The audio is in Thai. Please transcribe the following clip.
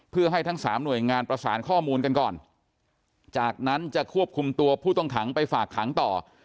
เพื่อให้ทั้งสามหน่วยงานประสานข้อมูลกันก่อนจากนั้นจะควบคุมตัวผู้ต้องขังไปฝากขังต่อ